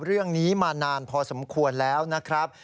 เรื่องนี้มานานพอสมควรแล้วนะครับ